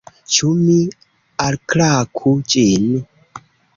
Ĉu mi alklaku ĝin?